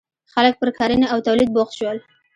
• خلک پر کرنې او تولید بوخت شول.